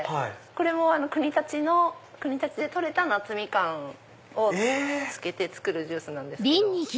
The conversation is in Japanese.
これも国立で採れた夏ミカンを漬けて作るジュースなんですけど。